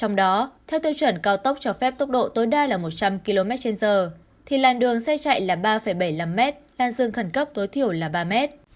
trong đó theo tiêu chuẩn cao tốc cho phép tốc độ tối đa là một trăm linh km trên giờ thì làn đường xe chạy là ba bảy mươi năm m lan dương khẩn cấp tối thiểu là ba mét